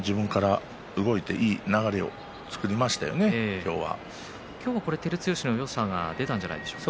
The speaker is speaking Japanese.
今日は照強のよさが出たんじゃないですか。